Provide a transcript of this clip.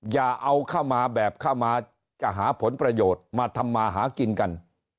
อย่าเอาเข้ามาแบบเข้ามาจะหาผลประโยชน์มาทำมาหากินกัน